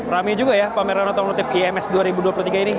rame juga ya pameran otomotif ims dua ribu dua puluh tiga ini